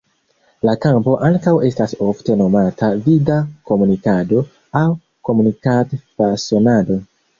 La kampo ankaŭ estas ofte nomata "Vida Komunikado" aŭ "Komunikad-fasonado".